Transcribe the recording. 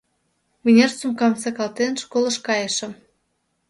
Вынер сумкам сакалтен, школыш кайышым.